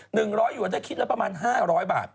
หนึ่งร้อยหย่วนถ้าคิดแล้วประมาณ๕๐๐บาท